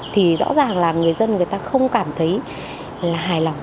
thì rõ ràng là người dân người ta không cảm thấy là hài lòng